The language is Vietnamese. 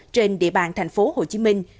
trên địa bàn thành phố hồ chí minh